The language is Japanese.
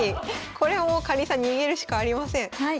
これはもうかりんさん逃げるしかありません。